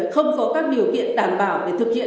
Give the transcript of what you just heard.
không có các điều kiện đảm bảo để thực hiện